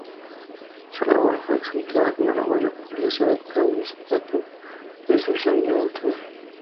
Su labor fue exaltada con orgullo por Elizabeth Cady Stanton y Susan B. Anthony.